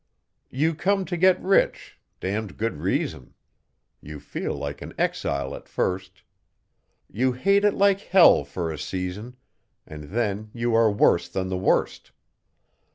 You come to get rich (damned good reason); You feel like an exile at first; You hate it like hell for a season, And then you are worse than the worst.